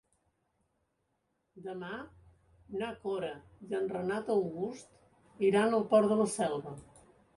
Demà na Cora i en Renat August iran al Port de la Selva.